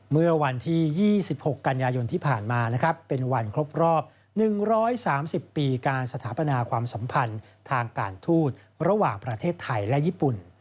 เมื่อวันที่๒๖กันยายนที่ผ่านมานะครับเป็นวันครบรอบ๑๓๐ปีการสถาปนาความสัมพันธ์ทางการทูตระหว่างประเทศไทยและญี่ปุ่น